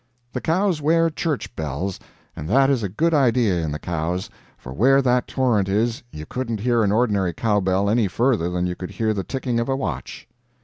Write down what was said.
The cows wear church bells, and that is a good idea in the cows, for where that torrent is, you couldn't hear an ordinary cow bell any further than you could hear the ticking of a watch.